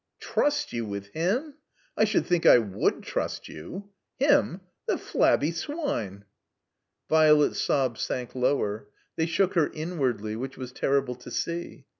"Trust you with him? I should think I would trust you. Him! The flabby swine!" Violet's sobs sank lower. They shook her in wardly, which was terrible to see.